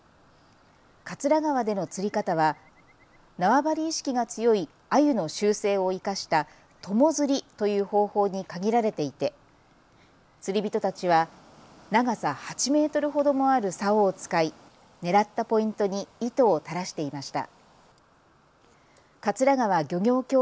桂川での釣り方は縄張り意識が強いあゆの習性を生かした友釣りという方法に限られていて釣り人たちは長さ８メートルほどもあるさおを使い狙ったポイントに糸を垂らしていました。